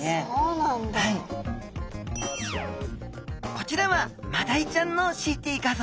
こちらはマダイちゃんのＣＴ画像。